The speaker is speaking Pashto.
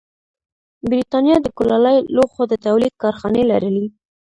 برېټانیا د کولالي لوښو د تولید کارخانې لرلې.